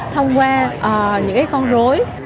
thông qua những cái con rối